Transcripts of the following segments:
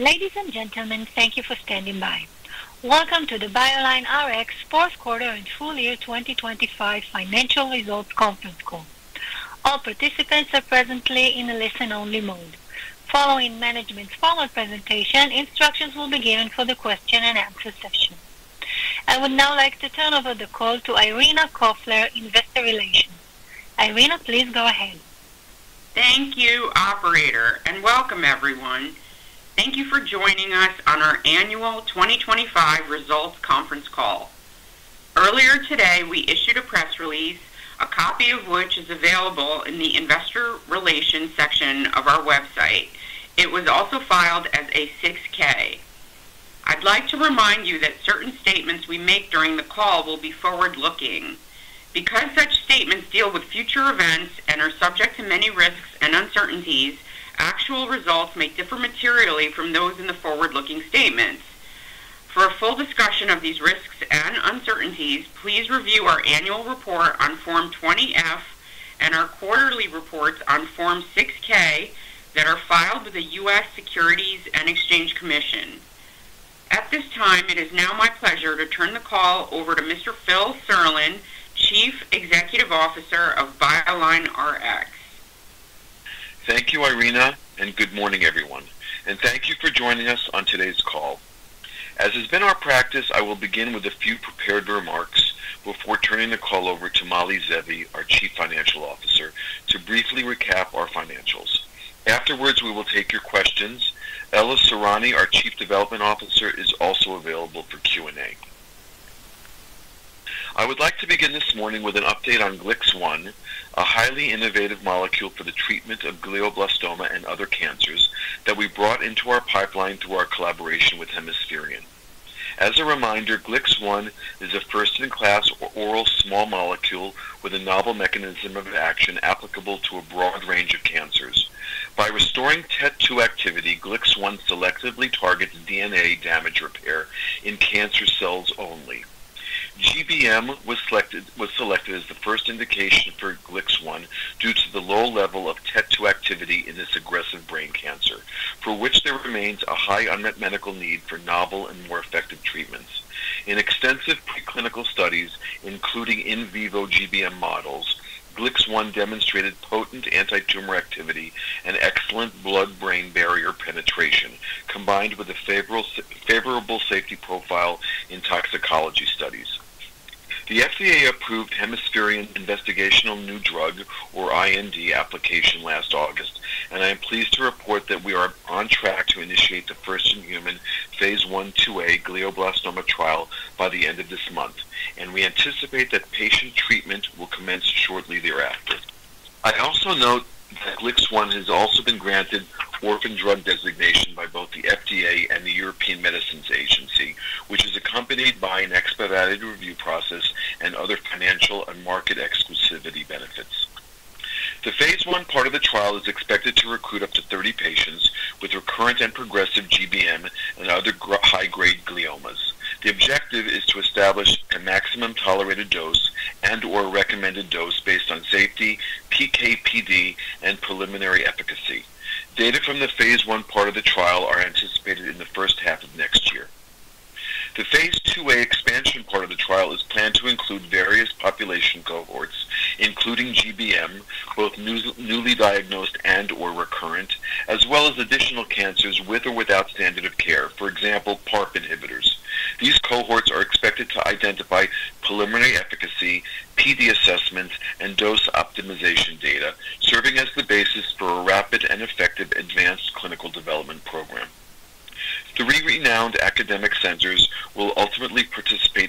Ladies and gentlemen, thank you for standing by. Welcome to the BioLineRx fourth quarter and full year 2025 financial results conference call. All participants are presently in a listen-only mode. Following management's forward presentation, instructions will be given for the question and answer session. I would now like to turn over the call to Irina Koffler, Investor Relations. Irina, please go ahead. Thank you, operator, and welcome everyone. Thank you for joining us on our annual 2025 results conference call. Earlier today, we issued a press release, a copy of which is available in the investor relations section of our website. It was also filed as a 6-K. I'd like to remind you that certain statements we make during the call will be forward-looking. Because such statements deal with future events and are subject to many risks and uncertainties, actual results may differ materially from those in the forward-looking statements. For a full discussion of these risks and uncertainties, please review our annual report on Form 20-F and our quarterly reports on Form 6-K that are filed with the U.S. Securities and Exchange Commission. At this time, it is now my pleasure to turn the call over to Mr. Phil Serlin, Chief Executive Officer of BioLineRx. Thank you, Irina, and good morning, everyone. Thank you for joining us on today's call. As has been our practice, I will begin with a few prepared remarks before turning the call over to Mali Zeevi, our Chief Financial Officer, to briefly recap our financials. Afterwards, we will take your questions. Ella Sorani, our Chief Development Officer, is also available for Q&A. I would like to begin this morning with an update on GLIX1, a highly innovative molecule for the treatment of glioblastoma and other cancers that we brought into our pipeline through our collaboration with Hemispherian. As a reminder, GLIX1 is a first-in-class oral small molecule with a novel mechanism of action applicable to a broad range of cancers. By restoring TET2 activity, GLIX1 selectively targets DNA damage repair in cancer cells only. GBM was selected as the first indication for GLIX1 due to the low level of TET2 activity in this aggressive brain cancer, for which there remains a high unmet medical need for novel and more effective treatments. In extensive preclinical studies, including in vivo GBM models, GLIX1 demonstrated potent antitumor activity and excellent blood-brain barrier penetration, combined with a favorable safety profile in toxicology studies. The FDA approved Hemispherian Investigational New Drug, or IND, application last August, and I am pleased to report that we are on track to initiate the first-in-human phase I/II-A glioblastoma trial by the end of this month, and we anticipate that patient treatment will commence shortly thereafter. I also note that GLIX1 has also been granted orphan drug designation by both the FDA and the European Medicines Agency, which is accompanied by an expedited review process and other financial and market exclusivity benefits. The phase I part of the trial is expected to recruit up to 30 patients with recurrent and progressive GBM and other high-grade gliomas. The objective is to establish a maximum tolerated dose and/or recommended dose based on safety, PK/PD, and preliminary efficacy. Data from the phase I part of the trial are anticipated in the first half of next year. The phase II-A expansion part of the trial is planned to include various population cohorts, including GBM, both newly diagnosed and/or recurrent, as well as additional cancers with or without standard of care, for example, PARP inhibitors. These cohorts are expected to identify preliminary efficacy, PD assessment, and dose optimization data, serving as the basis for a rapid and effective advanced clinical development program. Three renowned academic centers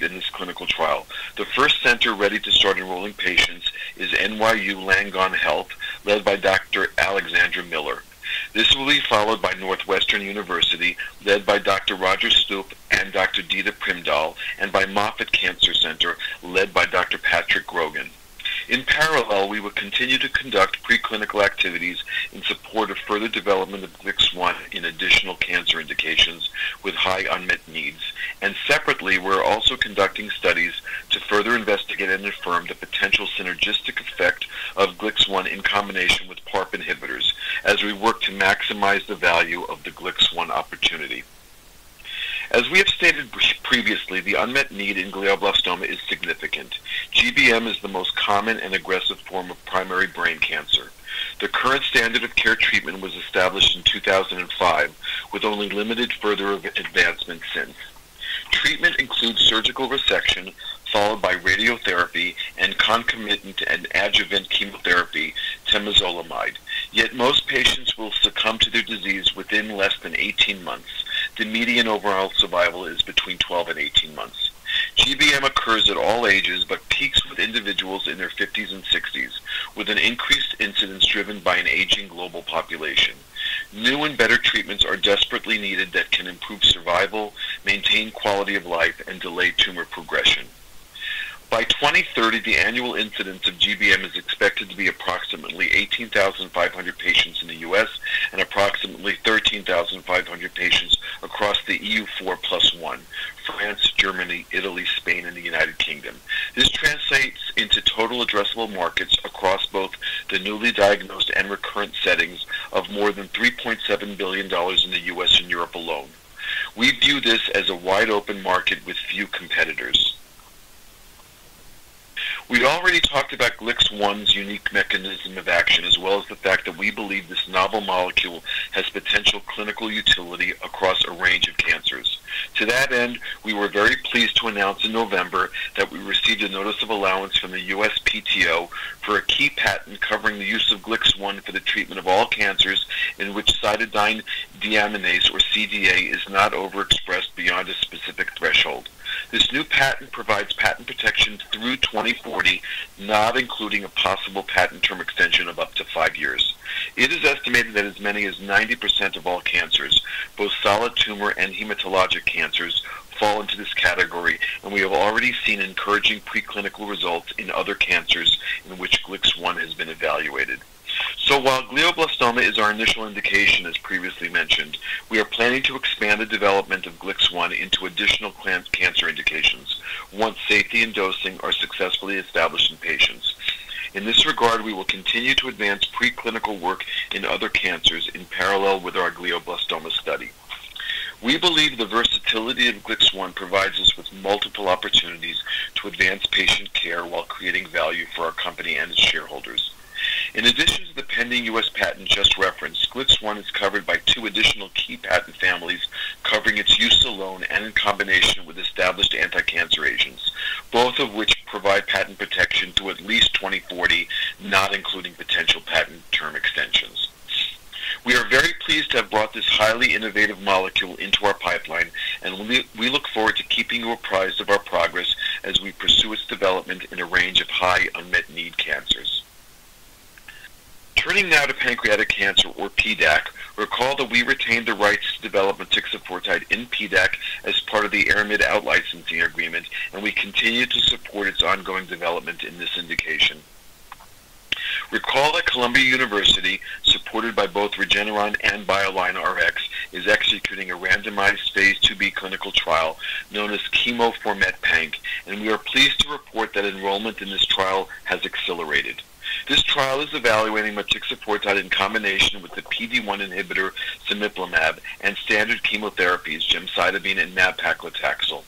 will ultimately participate in this clinical trial. The first center ready to start enrolling patients is NYU Langone Health, led by Dr. Alexandra Miller. This will be followed by Northwestern University, led by Dr. Roger Stupp and Dr. Dieter Primdahl, and by Moffitt Cancer Center, led by Dr. Patrick Grogan. In parallel, we will continue to conduct preclinical activities in support of further development of GLIX1 in additional cancer indications with high unmet needs. Separately, we're also conducting studies to further investigate and affirm the potential synergistic effect of GLIX1 in combination with PARP inhibitors as we work to maximize the value of the GLIX1 opportunity. As we have stated previously, the unmet need in glioblastoma is significant. GBM is the most common and aggressive form of primary brain cancer. The current standard of care treatment was established in 2005, with only limited further advancement since. Treatment includes surgical resection followed by radiotherapy and concomitant and adjuvant chemotherapy temozolomide. Yet most patients will succumb to their disease within less than 18 months. The median overall survival is between 12 and 18 months. GBM occurs at all ages, but peaks with individuals in their 50s and 60s, with an increased incidence driven by an aging global population. New and better treatments are desperately needed that can improve survival, maintain quality of life, and delay tumor progression. By 2030, the annual incidence of GBM is expected to be approximately 18,500 patients in the U.S. and approximately 13,500 patients across the EU 4 + 1: France, Germany, Italy, Spain, and the United Kingdom. This translates into total addressable markets across both the newly diagnosed and recurrent settings of more than $3.7 billion in the U.S. and Europe alone. We view this as a wide open market with few competitors. We already talked about GLIX1's unique mechanism of action, as well as the fact that we believe this novel molecule has potential clinical utility across a range of cancers. To that end, we were very pleased to announce in November that we received a notice of allowance from the USPTO for a key patent covering the use of GLIX1 for the treatment of all cancers in which cytidine deaminase, or CDA, is not overexpressed beyond a specific threshold. This new patent provides patent protection through 2040, not including a possible patent term extension of up to five years. It is estimated that as many as 90% of all cancers, both solid tumor and hematologic cancers, fall into this category, and we have already seen encouraging preclinical results in other cancers in which GLIX1 has been evaluated. While glioblastoma is our initial indication, as previously mentioned, we are planning to expand the development of GLIX1 into additional cancer indications once safety and dosing are successfully established in patients. In this regard, we will continue to advance preclinical work in other cancers in parallel with our glioblastoma study. We believe the versatility of GLIX1 provides us with multiple opportunities to advance patient care while creating value for our company and its shareholders. In addition to the pending U.S. patent just referenced, GLIX1 is covered by two additional key patent families covering its use alone and in combination with established anticancer agents, both of which provide patent protection to at least 2040, not including potential patent term extensions. We are very pleased to have brought this highly innovative molecule into our pipeline, and we look forward to keeping you apprised of our progress as we pursue its development in a range of high unmet need cancers. Turning now to pancreatic cancer, or PDAC, recall that we retained the rights to development motixafortide in PDAC as part of the Ayrmid out-licensing agreement, and we continue to support its ongoing development in this indication. Recall that Columbia University, supported by both Regeneron and BioLineRx, is executing a randomized phase IIb clinical trial known as Chemo4METPANC, and we are pleased to report that enrollment in this trial has accelerated. This trial is evaluating motixafortide in combination with the PD-1 inhibitor cemiplimab and standard chemotherapies gemcitabine and nab-paclitaxel.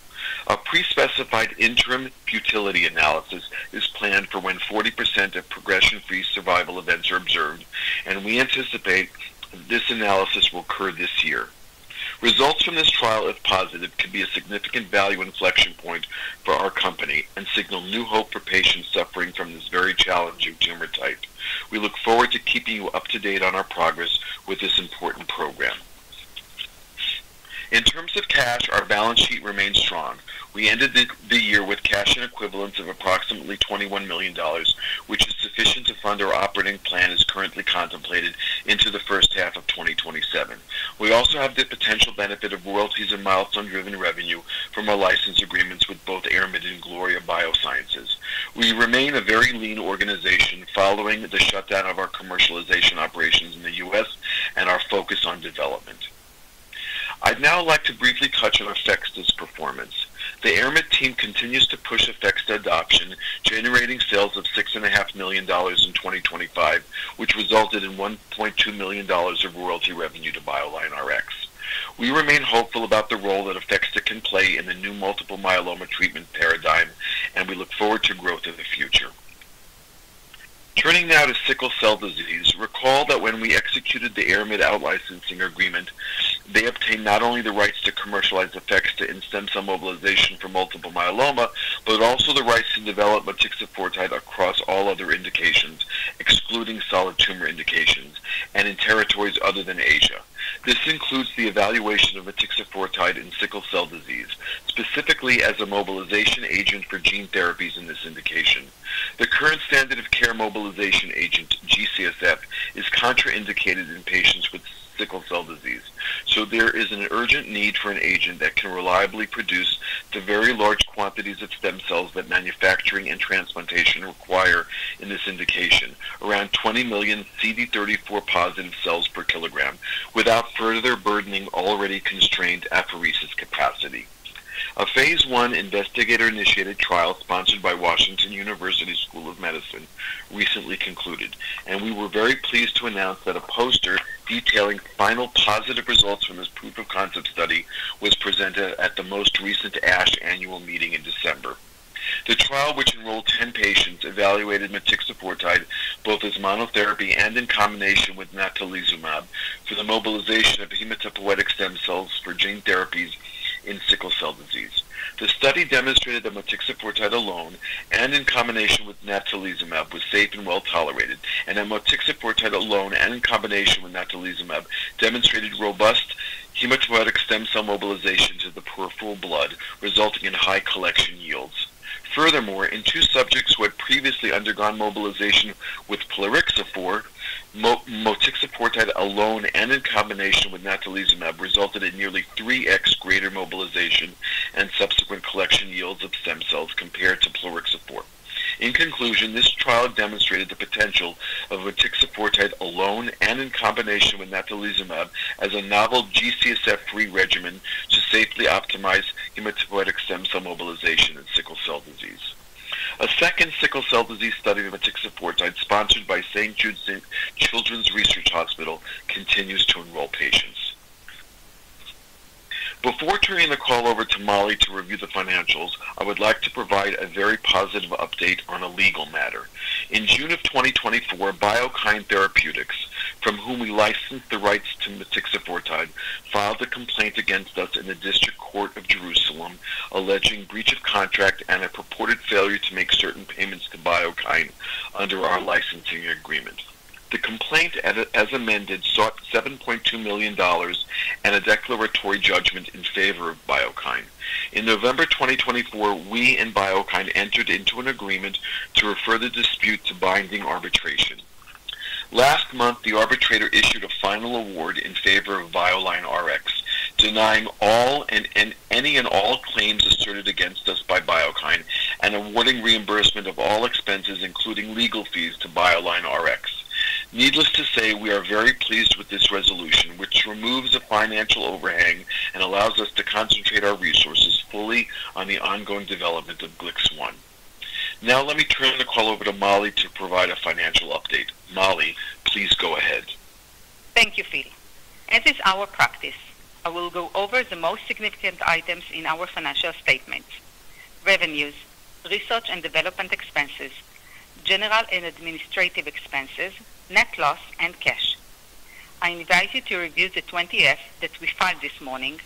A pre-specified interim futility analysis is planned for when 40% of progression-free survival events are observed, and we anticipate this analysis will occur this year. Results from this trial, if positive, could be a significant value inflection point for our company and signal new hope for patients suffering from this very challenging tumor type. We look forward to keeping you up to date on our progress with this important program. In terms of cash, our balance sheet remains strong. We ended the year with cash and equivalents of approximately $21 million, which is sufficient to fund our operating plan as currently contemplated into the first half of 2027. We also have the potential benefit of royalties and milestone-driven revenue from our license agreements with both Ayrmid and Gloria Biosciences. We remain a very lean organization following the shutdown of our commercialization operations in the U.S. and our focus on development. I'd now like to briefly touch on APHEXDA's performance. The Ayrmid team continues to push APHEXDA adoption, generating sales of $6.5 million in 2025, which resulted in $1.2 million of royalty revenue to BioLineRx. We remain hopeful about the role that APHEXDA can play in the new multiple myeloma treatment paradigm, and we look forward to growth in the future. Turning now to sickle cell disease, recall that when we executed the Ayrmid out-licensing agreement, they obtained not only the rights to commercialize APHEXDA in stem cell mobilization for multiple myeloma, but also the rights to develop motixafortide across all other indications, excluding solid tumor indications, and in territories other than Asia. This includes the evaluation of motixafortide in sickle cell disease, specifically as a mobilization agent for gene therapies in this indication. The current standard of care mobilization agent, GCSF, is contraindicated in patients with sickle cell disease, so there is an urgent need for an agent that can reliably produce the very large quantities of stem cells that manufacturing and transplantation require in this indication, around 20 million CD34-positive cells per kilogram, without further burdening already constrained apheresis capacity. A phase I investigator-initiated trial sponsored by Washington University School of Medicine recently concluded, and we were very pleased to announce that a poster detailing final positive results from this proof-of-concept study was presented at the most recent ASH annual meeting in December. The trial, which enrolled 10 patients, evaluated motixafortide both as monotherapy and in combination with natalizumab for the mobilization of hematopoietic stem cells for gene therapies in sickle cell disease. The study demonstrated that motixafortide alone and in combination with natalizumab was safe and well-tolerated, and that motixafortide alone and in combination with natalizumab demonstrated robust hematopoietic stem cell mobilization to the peripheral blood, resulting in high collection yields. Furthermore, in two subjects who had previously undergone mobilization with plerixafor, motixafortide alone and in combination with natalizumab resulted in nearly 3x greater mobilization and subsequent collection yields of stem cells compared to plerixafor. In conclusion, this trial demonstrated the potential of motixafortide alone and in combination with natalizumab as a novel GCSF-free regimen to safely optimize hematopoietic stem cell mobilization in sickle cell disease. A second sickle cell disease study of motixafortide sponsored by St. Jude Children's Research Hospital continues to enroll patients. Before turning the call over to Molly to review the financials, I would like to provide a very positive update on a legal matter. In June of 2024, Biokine Therapeutics, from whom we licensed the rights to motixafortide, filed a complaint against us in the Jerusalem District Court, alleging breach of contract and a purported failure to make certain payments to Biokine under our licensing agreement. The complaint, as amended, sought $7.2 million and a declaratory judgment in favor of Biokine. In November 2024, we and Biokine entered into an agreement to refer the dispute to binding arbitration. Last month, the arbitrator issued a final award in favor of BioLineRx, denying any and all claims asserted against us by Biokine and awarding reimbursement of all expenses, including legal fees, to BioLineRx. Needless to say, we are very pleased with this resolution, which removes the financial overhang and allows us to concentrate our resources fully on the ongoing development of GLIX1. Now let me turn the call over to Mali to provide a financial update. Mali, please go ahead. Thank you, Phil. As is our practice, I will go over the most significant items in our financial statement, revenues, research and development expenses, general and administrative expenses, net loss, and cash. I invite you to review the Form 20-F that we filed this morning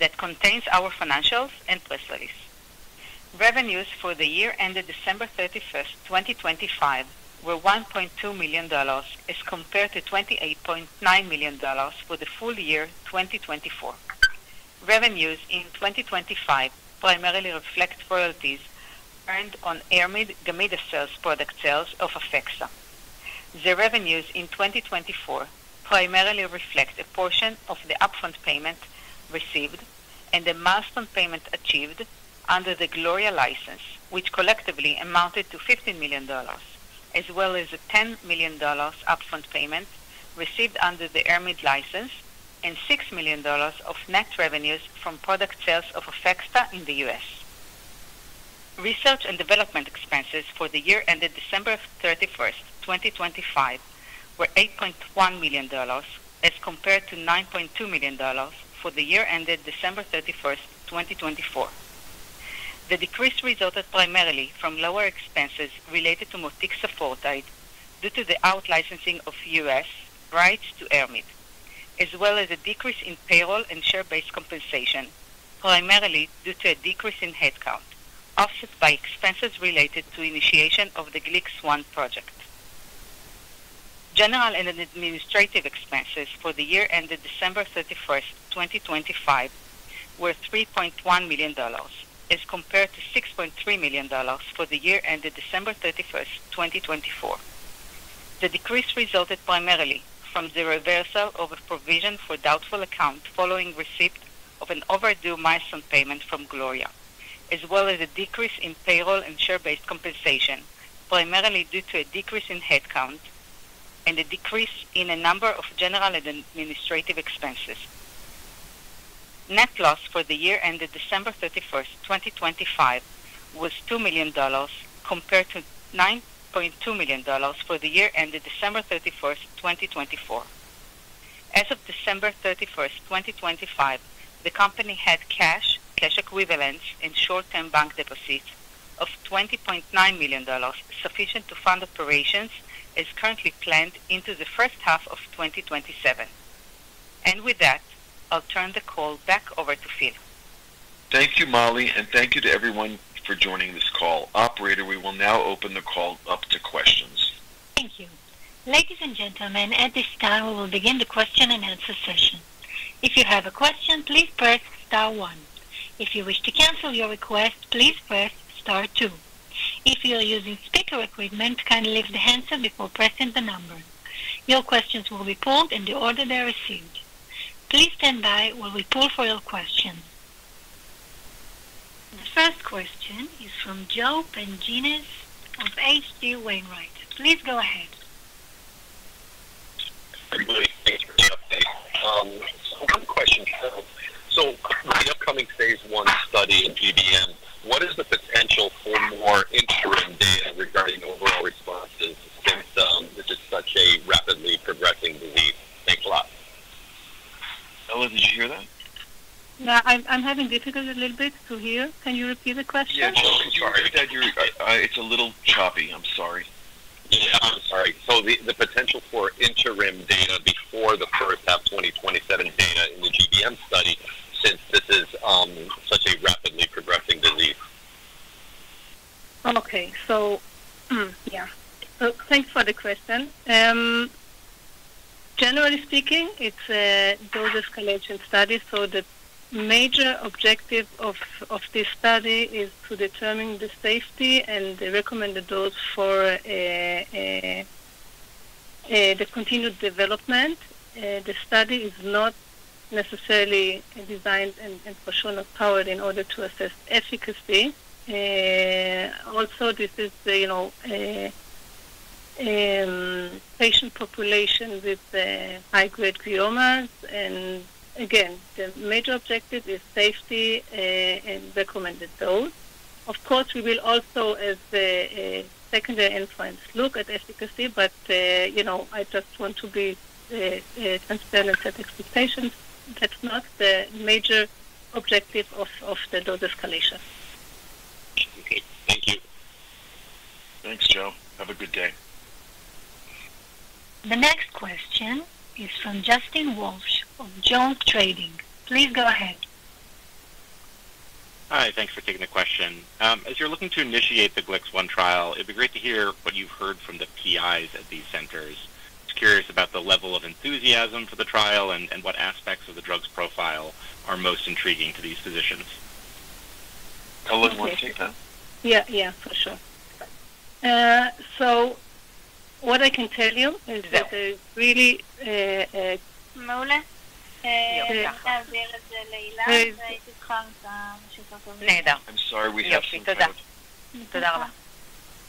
that contains our financials and press release. Revenues for the year ended December 31, 2025 were $1.2 million as compared to $28.9 million for the full year 2024. Revenues in 2025 primarily reflect royalties earned on Ayrmid Gamida Cell's product sales of APHEXDA. The revenues in 2024 primarily reflect a portion of the upfront payment received and the milestone payment achieved under the Gloria license, which collectively amounted to $15 million, as well as a $10 million upfront payment received under the Ayrmid license and $6 million of net revenues from product sales of APHEXDA in the US. Research and development expenses for the year ended December 31, 2025 were $8.1 million as compared to $9.2 million for the year ended December 31, 2024. The decrease resulted primarily from lower expenses related to motixafortide due to the out licensing of US rights to Ayrmid, as well as a decrease in payroll and share-based compensation, primarily due to a decrease in headcount, offset by expenses related to initiation of the GLIX1 project. General and administrative expenses for the year ended December 31, 2025 were $3.1 million as compared to $6.3 million for the year ended December 31, 2024. The decrease resulted primarily from the reversal of a provision for doubtful accounts following receipt of an overdue milestone payment from Gloria, as well as a decrease in payroll and share-based compensation, primarily due to a decrease in headcount and a decrease in a number of general administrative expenses. Net loss for the year ended December 31, 2025 was $2 million compared to $9.2 million for the year ended December 31, 2024. As of December 31, 2025, the company had cash equivalents and short-term bank deposits of $20.9 million sufficient to fund operations as currently planned into the first half of 2027. With that, I'll turn the call back over to Phil. Thank you, Mali, and thank you to everyone for joining this call. Operator, we will now open the call up to questions. Thank you. Ladies and gentlemen, at this time we will begin the question and answer session. If you have a question, please press star one. If you wish to cancel your request, please press star two. If you are using speaker equipment, kindly lift the handset before pressing the number. Your questions will be pulled in the order they are received. Please stand by while we pull for your question. The first question is from Joe Pantginis of H.C. Wainwright. Please go ahead. Thanks for the update. One question. For the upcoming phase I study in GBM, what is the potential for more interim data regarding overall responses since this is such a rapidly progressing disease? Thanks a lot. Ella, did you hear that? Yeah, I'm having difficulty a little bit to hear. Can you repeat the question? Yeah. Sorry. It's a little choppy. I'm sorry. Yeah. All right. The potential for interim data before the first half 2027 data in the GBM study since this is such a rapidly progressing disease. Okay. Yeah. Thanks for the question. Generally speaking, it's a dose escalation study. The major objective of this study is to determine the safety and the recommended dose for the continued development. The study is not necessarily designed and for sure not powered in order to assess efficacy. Also this is, you know, a patient population with high-grade gliomas. Again, the major objective is safety and recommended dose. Of course, we will also, as a secondary endpoint, look at efficacy, but, you know, I just want to be transparent and set expectations. That's not the major objective of the dose escalation. Okay. Thank you. Thanks, Joe. Have a good day. The next question is from Justin Walsh of JonesTrading. Please go ahead. Hi. Thanks for taking the question. As you're looking to initiate the GLIX1 trial, it'd be great to hear what you've heard from the PIs at these centers. Just curious about the level of enthusiasm for the trial and what aspects of the drug's profile are most intriguing to these physicians. Ella, do you want to take that? Yeah. Yeah, for sure. What I can tell you is that there's really, I'm sorry we have some kind of.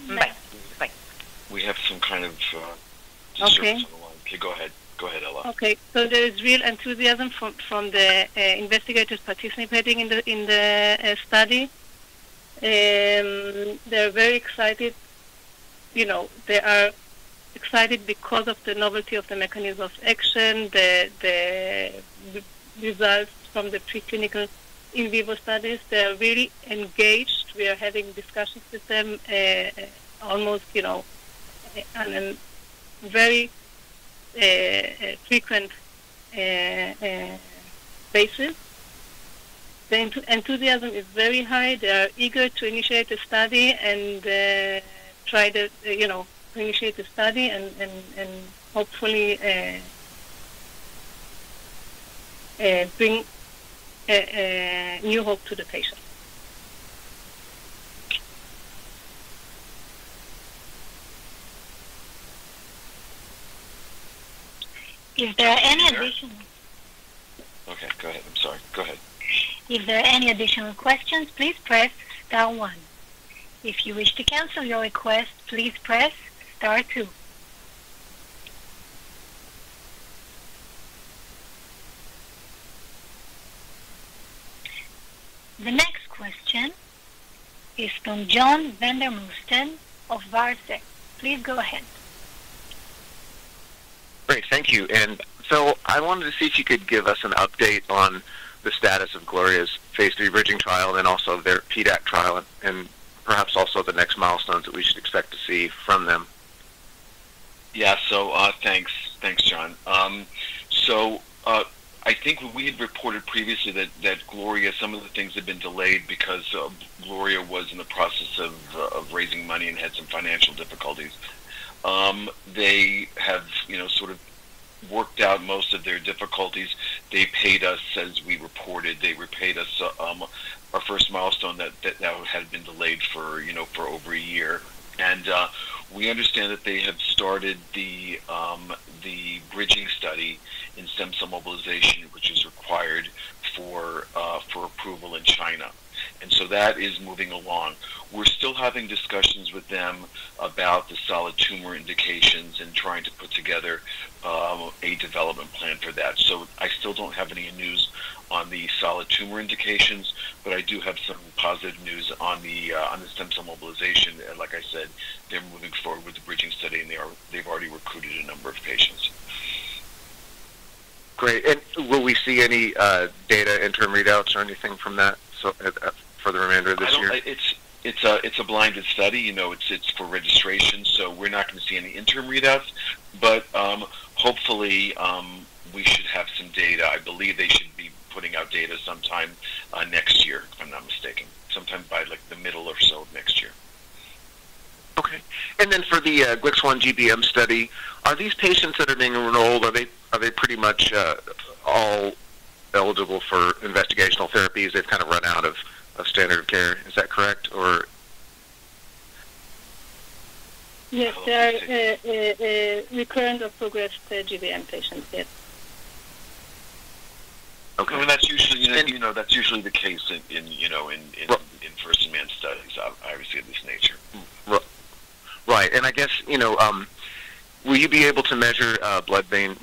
Bye. Bye. We have some kind of disturbance on the line. Okay. Okay, go ahead. Go ahead, Ella. Okay. There is real enthusiasm from the investigators participating in the study. They're very excited. You know, they are excited because of the novelty of the mechanism of action, the results from the preclinical in vivo studies. They are really engaged. We are having discussions with them almost, you know, on a very frequent basis. The enthusiasm is very high. They are eager to initiate the study and hopefully bring a new hope to the patient. If there are any additional. Okay, go ahead. I'm sorry. Go ahead. If there are any additional questions, please press star one. If you wish to cancel your request, please press star two. The next question is from John Vandermosten of Zacks. Please go ahead. Great. Thank you. I wanted to see if you could give us an update on the status of Gloria's phase III bridging trial and also their PDAC trial and perhaps also the next milestones that we should expect to see from them. Yeah. Thanks. Thanks, John. I think we had reported previously that Gloria, some of the things have been delayed because Gloria was in the process of raising money and had some financial difficulties. They have, you know, sort of worked out most of their difficulties. They paid us as we reported. They repaid us our first milestone that now had been delayed for, you know, for over a year. We understand that they have started the bridging study in stem cell mobilization, which is required for approval in China. That is moving along. We're still having discussions with them about the solid tumor indications and trying to put together a development plan for that. I still don't have any news on the solid tumor indications, but I do have some positive news on the stem cell mobilization. Like I said, they're moving forward with the bridging study, and they've already recruited a number of patients. Great. Will we see any data interim readouts or anything from that so for the remainder of this year? It's a blinded study, you know. It's for registration, so we're not gonna see any interim readouts. Hopefully, we should have some data. I believe they should be putting out data sometime next year, if I'm not mistaken. Sometime by, like, the middle or so of next year. Okay. Then for the GLIX1 GBM study, are these patients that are being enrolled, are they pretty much all eligible for investigational therapies? They've kind of run out of standard care. Is that correct or? Yes. They are recurrent or progressed GBM patients. Yes. Okay. That's usually, you know, the case in first-in-man studies of IRC of this nature. Right. I guess, you know, will you be able to measure blood-brain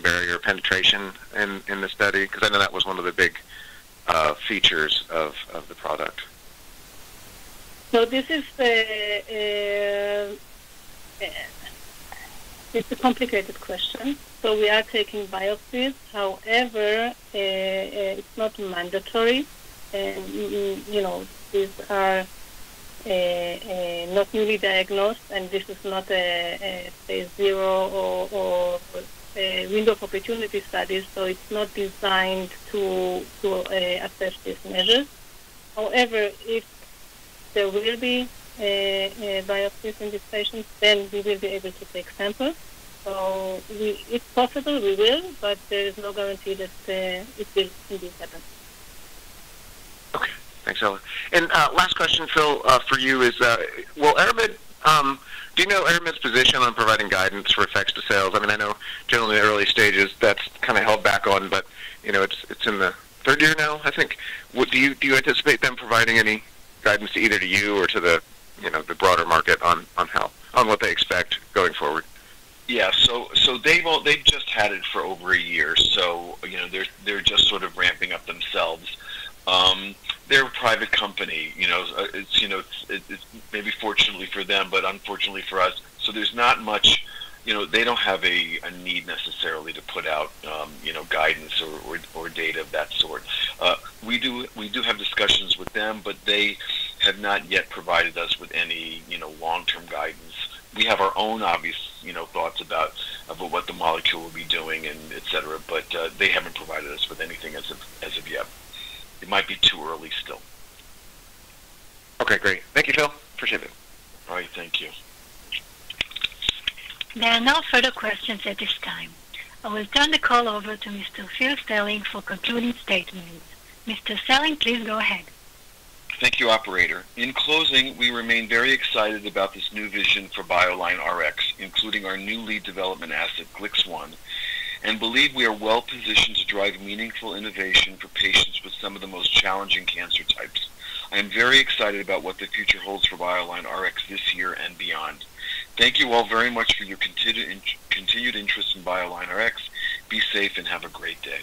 barrier penetration in the study? Because I know that was one of the big features of the product. This is a complicated question. We are taking biopsies. However, it's not mandatory and these are not newly diagnosed and this is not a phase zero or a window of opportunity studies, so it's not designed to assess this measure. However, if there will be a biopsy in this patient, then we will be able to take samples. If possible, we will, but there is no guarantee that it will indeed happen. Okay. Thanks, Ella. Last question, Phil, for you is, do you know Ayrmid's position on providing guidance for expected sales? I mean, I know generally early stages that's kinda held back on, but, you know, it's in the third year now, I think. Do you anticipate them providing any guidance either to you or to the, you know, the broader market on what they expect going forward? Yeah. They just had it for over a year. You know, they're just sort of ramping up themselves. They're a private company, you know. It, you know, maybe fortunately for them, but unfortunately for us. There's not much. You know, they don't have a need necessarily to put out, you know, guidance or data of that sort. We do have discussions with them, but they have not yet provided us with any, you know, long-term guidance. We have our own obvious, you know, thoughts about what the molecule will be doing and etcetera, but they haven't provided us with anything as of yet. It might be too early still. Okay, great. Thank you, Phil. Appreciate it. All right. Thank you. There are no further questions at this time. I will turn the call over to Mr. Philip Serlin for concluding statements. Mr. Serlin, please go ahead. Thank you, operator. In closing, we remain very excited about this new vision for BioLineRx, including our new lead development asset, GLIX1, and believe we are well-positioned to drive meaningful innovation for patients with some of the most challenging cancer types. I am very excited about what the future holds for BioLineRx this year and beyond. Thank you all very much for your continued interest in BioLineRx. Be safe and have a great day.